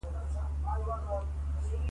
د اړیکو د بيا ټينګولو لپاره